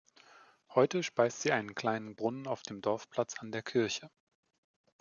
Heute speist sie einen kleinen Brunnen auf dem Dorfplatz an der Kirche.